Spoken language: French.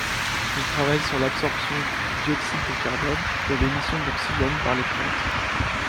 Il travaille sur l'absorption du dioxyde de carbone et l'émission d'oxygène par les plantes.